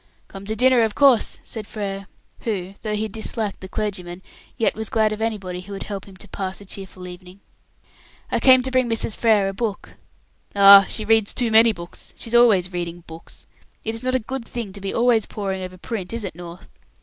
"Come to dinner, of course!" said Frere, who, though he disliked the clergyman, yet was glad of anybody who would help him to pass a cheerful evening. "I came to bring Mrs. Frere a book." "Ah! She reads too many books; she's always reading books. It is not a good thing to be always poring over print, is it, North?